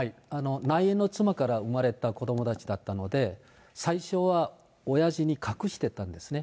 内縁の妻から生まれた子どもたちだったので、最初はおやじに隠してたんですね。